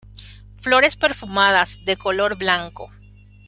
Flores perfumadas, de color blanco.